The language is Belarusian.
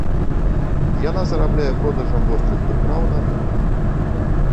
Яна зарабляе продажам вострых прыпраў на рынку.